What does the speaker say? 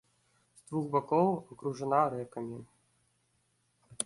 З двух бакоў акружана рэкамі.